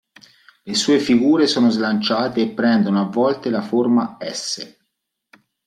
Le sue figure sono slanciate e prendono a volte la forma "S".